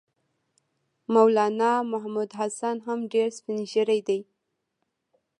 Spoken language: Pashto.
مولنا محمودالحسن هم ډېر سپین ږیری دی.